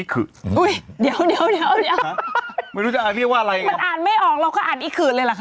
เขาลงหน้ายังงี้เลยเหรอ